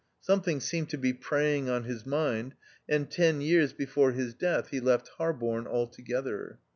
Something seemed to be preying on his mind, and ten years before his death he left Harborne altogether.